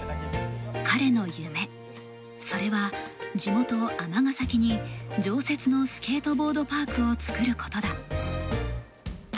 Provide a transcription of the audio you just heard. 彼の夢、それは地元・尼崎に常設のスケートボードパークをつくることだ。